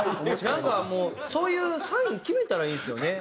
なんかもうそういうサイン決めたらいいんですよね。